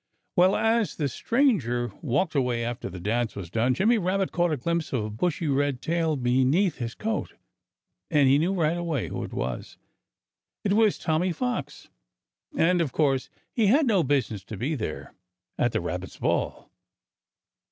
Well, as the stranger walked away, after the dance was done, Jimmy Rabbit caught a glimpse of a bushy red tail beneath his coat. And he knew right away who it was. It was Tommy Fox! And, of course, he had no business to be there, at the Rabbits' Ball!